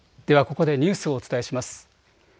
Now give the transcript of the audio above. ではここでニュースをお伝えします。